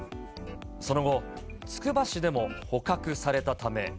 その後、つくば市でも捕獲されたため。